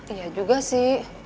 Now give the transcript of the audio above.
iya juga sih